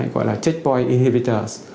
gọi là checkpoint inhibitors